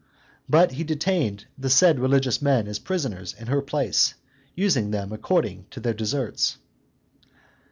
But he detained the said religious men as prisoners in her place, using them according to their desserts.